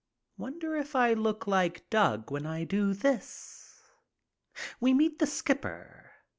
Wonder if I look like Doug when I do this? We meet the skipper.